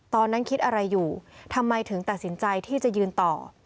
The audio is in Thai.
ตอนนั้นคิดอะไรอยู่ทำไมถึงตัดสินใจที่จะยืนต่อ